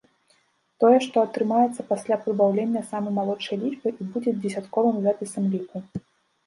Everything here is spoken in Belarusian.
Тое, што атрымаецца пасля прыбаўлення самай малодшай лічбы, і будзе дзесятковым запісам ліку.